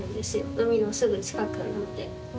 海のすぐ近くなので。